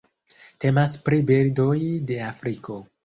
Temas pri birdoj de Afriko.